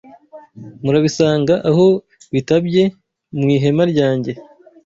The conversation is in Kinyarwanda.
Murabisanga aho bitabye mu ihema ryanjye